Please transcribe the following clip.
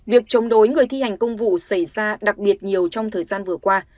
việc chống đối người thi hành công vụ xảy ra đặc biệt nhiều trong thời gian vừa qua